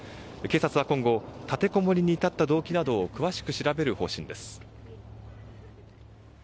警察は今後立てこもりに至った動機などを詳しく調べる方針です。